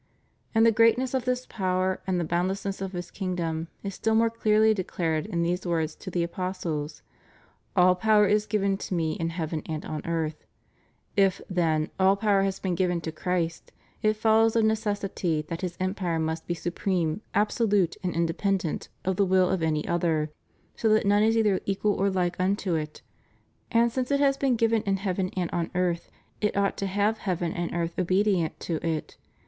^ And the greatness of this power and the bound lessness of His kingdom is still more clearly declared in these words to the apostles : All power is given to Me in heaven and on earth} If^ then, all power has been given to Christ, it follows of necessity that His empire must be supreme, absolute and independent of the will of any other, so that none is either equal or like unto it: and since it has been given in heaven and on earth it ought to have heaven and earth obedient to it.